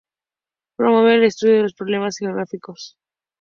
Promover el estudio de los problemas geográficos.